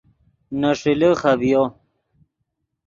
نے ݰیلے خبیو